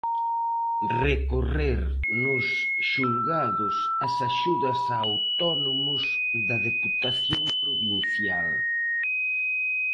Recorrer nos xulgados as axudas a autónomos da Deputación Provincial.